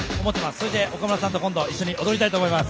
それで、岡村さんと今度一緒に踊りたいと思います！